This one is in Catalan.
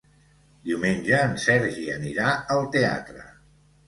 Diumenge en Sergi anirà al teatre.